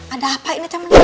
ada apa ini temennya